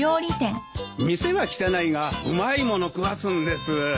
店は汚いがうまい物食わすんです。